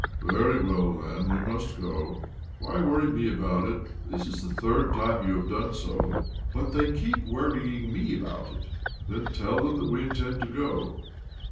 "Very well, then. We must go. Why worry me about it? This is the third time you have done so." " But they keep worrying me about it." " Then tell them that we intend to go."